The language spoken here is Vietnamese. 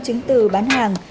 chứng từ bán hàng